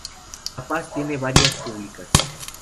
La Paz tiene varias escuelas públicas.